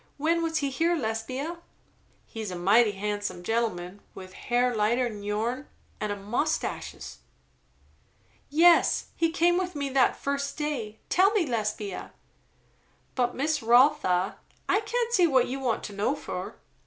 When was he here, Lesbia?" "He's a mighty handsome gentleman, with hair lighter than your'n, and a mustaches?" "Yes. He came with me that first day. Tell me, Lesbia!" "But Miss Rotha, I can't see what you want to know fur?"